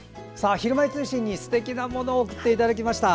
「ひるまえ通信」にすてきなものを送っていただきました。